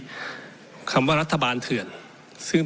เมื่อเทียบเคียงกับการที่ปปชชี้มูลความผิดของนักการเมืองหญิงท่านหนึ่ง